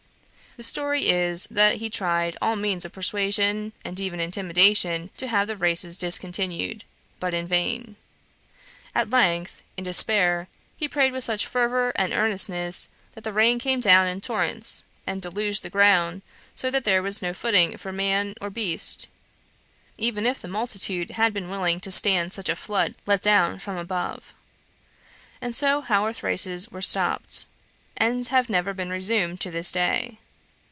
The story is, that he tried all means of persuasion, and even intimidation, to have the races discontinued, but in vain. At length, in despair, he prayed with such fervour of earnestness that the rain came down in torrents, and deluged the ground, so that there was no footing for man or beast, even if the multitude had been willing to stand such a flood let down from above. And so Haworth races were stopped, and have never been resumed to this day.